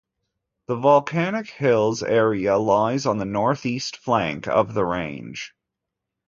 The Volcanic Hills area lies on the northeast flank of the range.